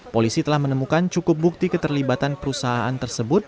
polisi telah menemukan cukup bukti keterlibatan perusahaan tersebut